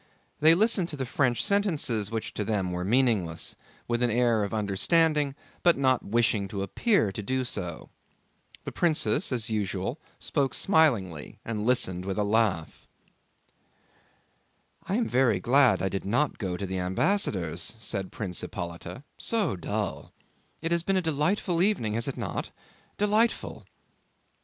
They listened to the French sentences which to them were meaningless, with an air of understanding but not wishing to appear to do so. The princess as usual spoke smilingly and listened with a laugh. "I am very glad I did not go to the ambassador's," said Prince Hippolyte "—so dull—. It has been a delightful evening, has it not? Delightful!"